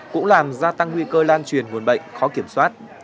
cũng làm gia tăng nguy cơ lan truyền nguồn bệnh khó kiểm soát